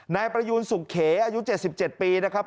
นายประยูนสุขเขอายุ๗๗ปีนะครับ